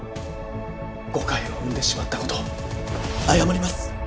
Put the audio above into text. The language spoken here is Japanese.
誤解を生んでしまったこと謝ります。